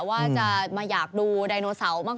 ว่าจะมาอยากดูโดยไดโนเสามาก